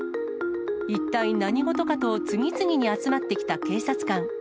一体、何事かと次々に集まってきた警察官。